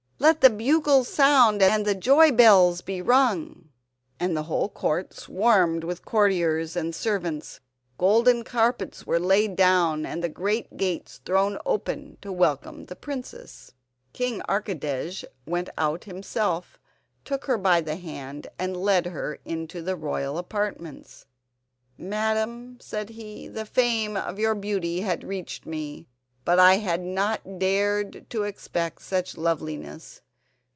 Let the bugles sound and the joy bells be rung!" And the whole Court swarmed with courtiers and servants. Golden carpets were laid down and the great gates thrown open to welcome the princess. King Archidej went out himself, took her by the hand and led her into the royal apartments. "Madam," said he, "the fame of your beauty had reached me, but I had not dared to expect such loveliness.